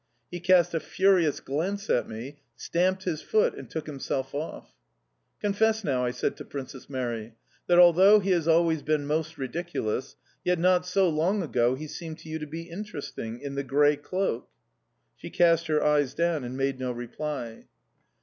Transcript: He cast a furious glance at me, stamped his foot, and took himself off. "Confess now," I said to Princess Mary: "that although he has always been most ridiculous, yet not so long ago he seemed to you to be interesting... in the grey cloak?"... She cast her eyes down and made no reply.